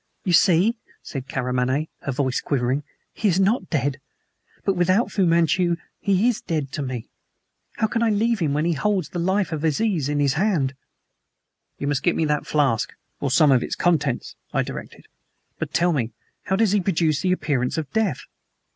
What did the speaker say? "You see," said Karamaneh, her voice quivering, "he is not dead! But without Fu Manchu he is dead to me. How can I leave him when he holds the life of Aziz in his hand?" "You must get me that flask, or some of its contents," I directed. "But tell me, how does he produce the appearance of death?"